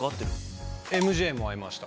ＭＪも会いました。